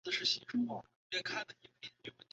拉尔什的南侧为拉尔什圣塞尔南。